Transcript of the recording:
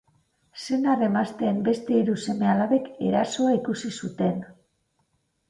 Senar-emazteen beste hiru seme-alabek erasoa ikusi zuten.